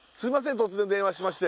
突然電話しまして